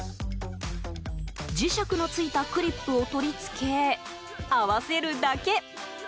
磁石のついたクリップを取り付け、合わせるだけ。